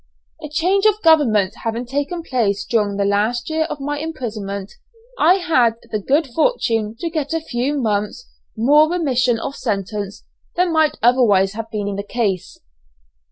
A change of government having taken place during the last year of my imprisonment I had the good fortune to get a few months' more remission of sentence than might otherwise have been the case.